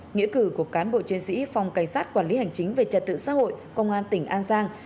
nghĩa cử của cán bộ chiến sĩ phòng cảnh sát quản lý hành chính về trật tự xã hội công an tỉnh an giang